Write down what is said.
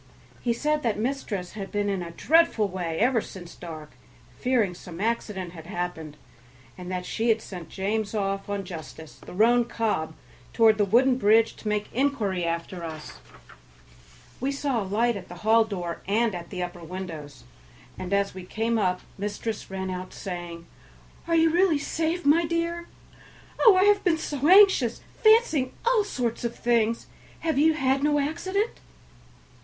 He said that mistress had been in a dreadful way ever since dark, fearing some accident had happened, and that she had sent James off on Justice, the roan cob, toward the wooden bridge to make inquiry after us. We saw a light at the hall door and at the upper windows, and as we came up mistress ran out, saying, "Are you really safe, my dear? Oh! I have been so anxious, fancying all sorts of things. Have you had no accident?"